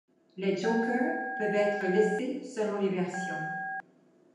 Les jokers peuvent être laissés selon les versions.